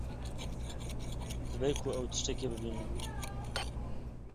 Dibe ku ew tiştekî bibînin.